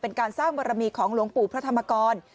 เป็นการสร้างบารมีของหลวงปู่พระธรรมกร